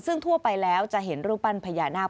ซึ่งทั่วไปแล้วจะเห็นรูปปั้นพญานาค